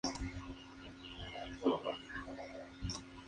Ha realizado numerosos trabajos para televisión.